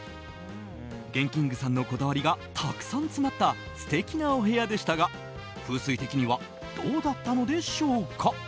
ＧＥＮＫＩＮＧさんのこだわりがたくさん詰まった素敵なお部屋でしたが風水的にはどうだったのでしょうか？